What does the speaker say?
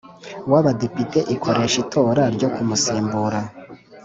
w Abadepite ikoresha itora ryo kumusimbura